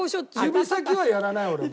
指先はやらない俺も。